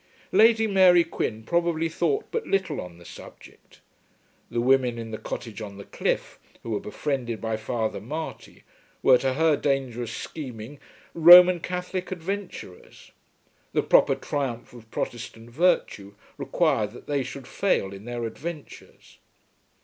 Lady Mary Quin probably thought but little on the subject. The women in the cottage on the cliff, who were befriended by Father Marty, were to her dangerous scheming Roman Catholic adventurers. The proper triumph of Protestant virtue required that they should fail in their adventures.